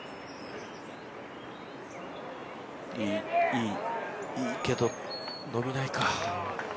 いい、いいけど、伸びないか。